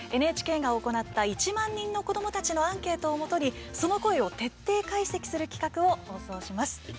ＮＨＫが行った１万人の子どもたちのアンケートをもとにその声を徹底解析する企画を放送します。